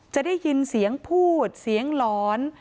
จะได้ยินเสียงพูดเสียงหลอน